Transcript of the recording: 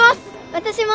私も。